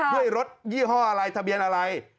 ด้วยรถยี่ห้ออะไรทะเบียนอะไร